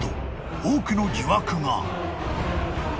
多くの疑惑が］